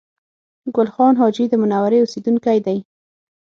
ګل خان حاجي د منورې اوسېدونکی دی